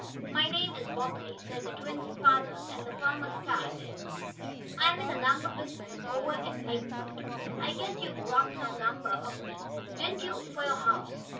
"My name is Bobbsey," said the twins' lather, and the farmer started. "I'm in the lumber business over at Lakeport. I guess you bought some lumber of me, didn't you, for your house."